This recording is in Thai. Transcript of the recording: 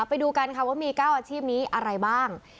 ไปดูกันค่ะว่ามี๙อาชีพนี้อะไรบ้าง